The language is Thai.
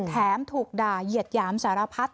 แถมถูกด่าเหยียดหยามสารพัด